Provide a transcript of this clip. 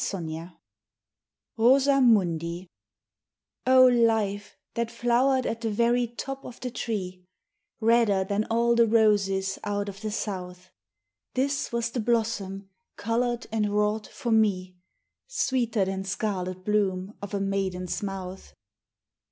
XII Rosa Mundi O life that flowered at the very top of the tree, Redder than all the roses out of the South, This was the blossom colored and wrought for me, Sweeter than scarlet bloom of a maiden's mouth.